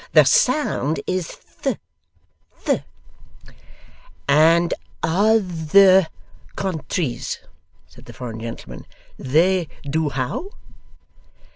The sound is "th" "th!"' 'And OTHER countries,' said the foreign gentleman. 'They do how?